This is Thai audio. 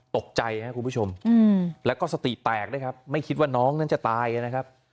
ตกใจครับคุณผู้ชมแล้วก็สติแตกด้วยครับไม่คิดว่าน้องนั้นจะตายนะครับ